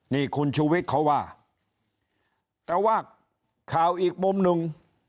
นี่คุณชูวิทย์เขาว่าแต่ว่าข่าวอีกมุมหนึ่ง